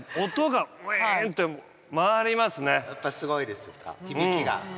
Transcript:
やっぱすごいですか響きが。